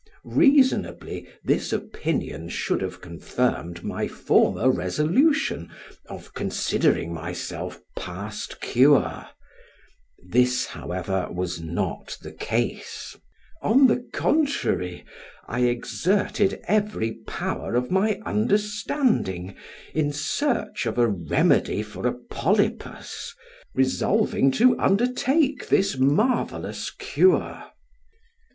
Reasonably this opinion should have confirmed my former resolution of considering myself past cure; this, however, was not the case; on the contrary; I exerted every power of my understanding in search of a remedy for a polypus, resolving to undertake this marvellous cure.